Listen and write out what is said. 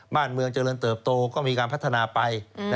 บ้านเมืองเจริญเติบโตก็มีการพัฒนาไป